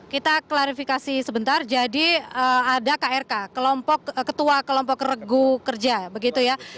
kita klarifikasi sebentar jadi ada krk kelompok ketua kelompok regu kerja begitu ya